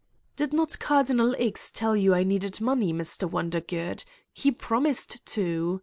"Did not Cardinal X. tell you I needed money, Mr. Wondergood? He promised to.